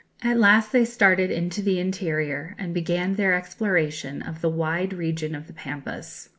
At last they started into the interior, and began their exploration of the wide region of the Pampas.